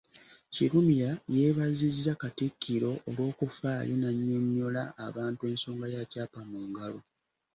Kirumira yeebazizza Katikkiro olw'okufaayo n’annyonnyola abantu ensonga ya ‘Kyapa mu Ngalo’